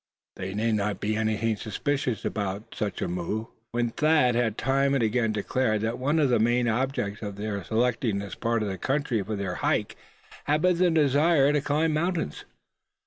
There need not be anything suspicious about such a move, when Thad had time and again declared that one of the main objects of their selecting this part of the country for their hike, had been the desire to climb mountains.